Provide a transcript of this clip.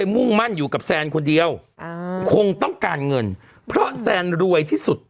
มุ่งมั่นอยู่กับแซนคนเดียวคงต้องการเงินเพราะแซนรวยที่สุด